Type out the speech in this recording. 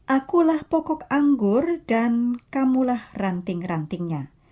akulah pokok anggur dan kamulah ranting rantingnya